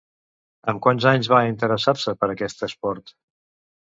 Amb quants anys va interessar-se per aquest esport?